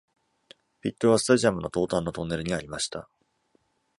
ピットはスタジアムの東端のトンネルにありました。